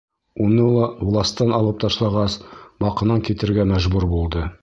Уны ла властан алып ташлағас, Баҡынан китергә мәжбүр булды.